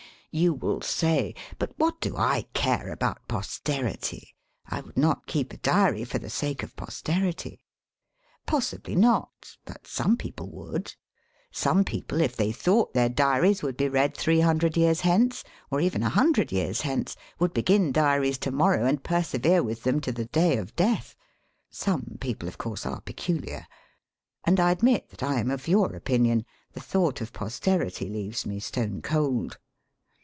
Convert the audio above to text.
You will say : "But what do I care about posterity? I would not keep a diary for the sake of posterity," Possibly not, but some people would. Some people, if they thought their diariEB would be read three hundred jeara hence, or eren a liundred years hence, would begin diaries to morrow and persevere with them to the day of death. Some people of course are peculiar. And I admit that I am of your opinion. The thought of posterity leaves me stone cold.